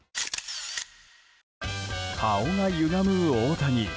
顔がゆがむ大谷。